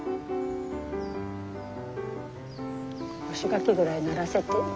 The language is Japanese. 干し柿ぐらいならせて。